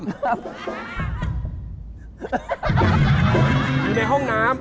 อยู่ในห้องน้ำ